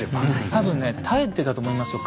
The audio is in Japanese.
多分ね絶えてたと思いますよ